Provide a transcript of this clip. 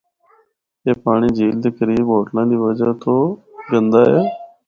اے پانڑی جھیل دے قریب ہوٹلاں دی وجہ تو گندا اے۔